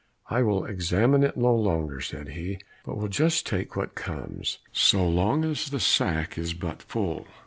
"I will examine it no longer," said he, "but will just take what comes, so long as the sack is but full."